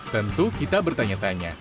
tentu kita bertanya tanya